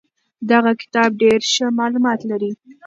دغه کتاب ډېر ښه معلومات لري.